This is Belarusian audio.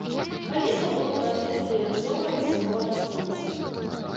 Паветра было празрыстае і ружовае ад зімовага сонца.